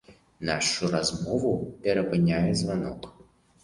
Нашу размову перапыняе званок.